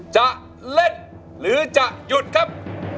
จะเล่นหรือจะหยุดครับ